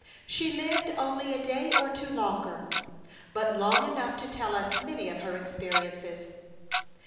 She lived only a 24 A Chautauqua Idyl. day or two longer, but long enough to tell us many of her experiences.